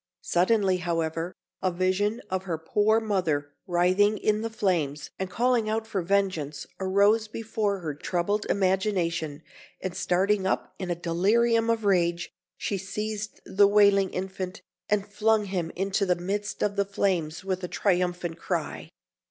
Suddenly, however, a vision of her poor mother writhing in the flames and calling out for vengeance arose before her troubled imagination, and starting up in a delirium of rage, she seized the wailing infant, and flung him into the midst of the flames, with a triumphant cry.